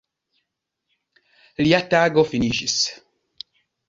Lia tago finiĝis.